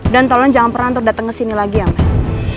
dan tolong jangan pernah terdateng kesini lagi ya mas